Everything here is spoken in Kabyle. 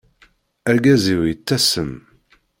Argaz-iw yettasem.